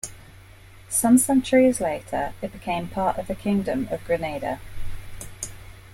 Some centuries later, it became part of the kingdom of Granada.